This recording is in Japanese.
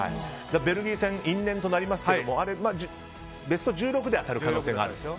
ベルギー戦、因縁となりますがベスト１６で当たる可能性があると。